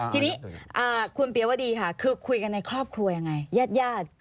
ทีนี้คุณเปียวดีค่ะคือคุยกันในครอบครัวยังไงญาติญาติ